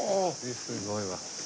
すごいわ。